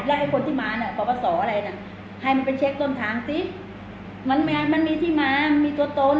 แล้วให้คนที่มาเนี้ยขอบัตรสอบอะไรเนี้ยให้มันไปเช็คต้นทางสิมันมันมีที่มามันมีตัวตน